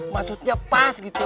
maksudnya pas gitu